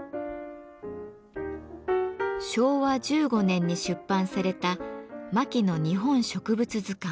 昭和１５年に出版された「牧野日本植物図鑑」。